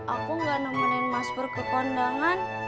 aku gak nemenin mas pur ke kondangan